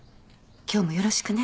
今日もよろしくね。